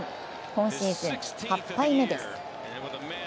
今シーズン８敗目です。